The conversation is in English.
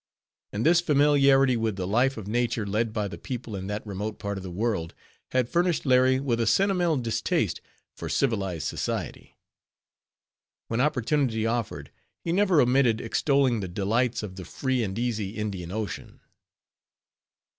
And this familiarity with the life of nature led by the people in that remote part of the world, had furnished Larry with a sentimental distaste for civilized society. When opportunity offered, he never omitted extolling the delights of the free and easy Indian Ocean.